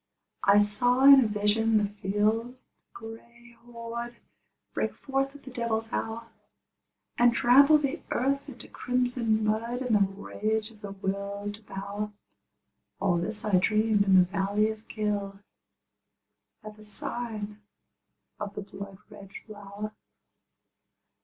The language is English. I saw in a vision the field gray horde Break forth at the devil's hour, And trample the earth into crimson mud In the rage of the Will to Power, All this I dreamed in the valley of Kyll, At the sign of the blood red flower.